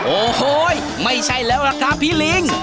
โอ้โหไม่ใช่แล้วล่ะครับพี่ลิง